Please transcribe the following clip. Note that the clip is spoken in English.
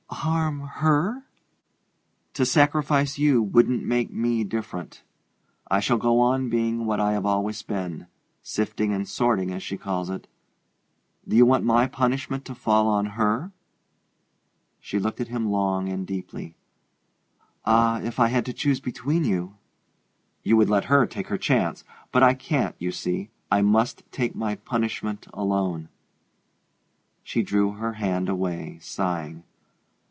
"Harm her?" "To sacrifice you wouldn't make me different. I shall go on being what I have always been sifting and sorting, as she calls it. Do you want my punishment to fall on her?" She looked at him long and deeply. "Ah, if I had to choose between you !" "You would let her take her chance? But I can't, you see. I must take my punishment alone." She drew her hand away, sighing.